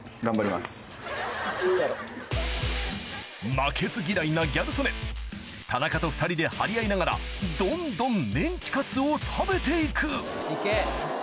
負けず嫌いなギャル曽根田中と２人で張り合いながらどんどんメンチカツを食べていくいけ。